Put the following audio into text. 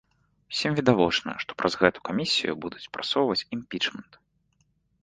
Усім відавочна, што праз гэту камісію будуць прасоўваць імпічмент.